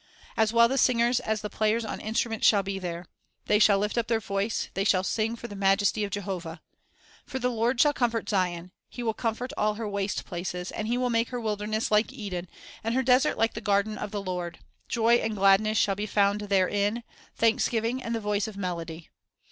"As well the singers as the players on instruments shall be there." 1 "They shall lift up their voice, they shall sing for the majesty of Jehovah." 2 "For the Lord shall comfort Zion; He will comfort all her waste places; and He will make her wilderness like Eden, and her desert like the garden of the Lord; joy and gladness shall be found therein, thanksgiving, and the voice of melody."